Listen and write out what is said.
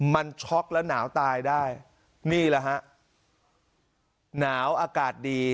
มันช็อกแล้วหนาวตายได้นี่แหละฮะหนาวอากาศดี